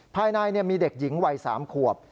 ภายในมีเด็กหญิงวัย๓ขวบ